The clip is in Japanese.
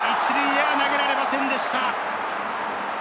坂本、１塁には投げられませんでした。